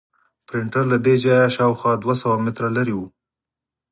پرنټر له دې ځایه شاوخوا دوه سوه متره لرې و.